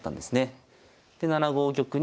で７五玉に。